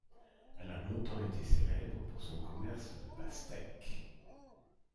Elle a longtemps été célèbre pour son commerce de pastèques.